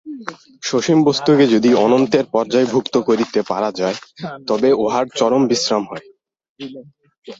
সসীম বস্তুকে যদি অনন্তের পর্যায়ভুক্ত করিতে পারা যায়, তবে উহার চরম বিশ্রাম হয়।